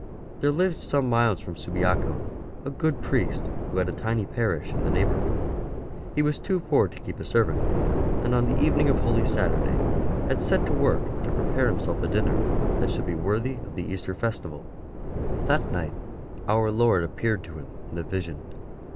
There lived some miles from Subiaco a good priest who had a tiny parish in the neighbourhood. He was too poor to keep a servant, and on the evening of Holy Saturday had set to work to prepare himself a dinner that should be worthy of the Easter festival. OR, L ST. BENEDICT 35 That night Our Lord appeared to him in a vision.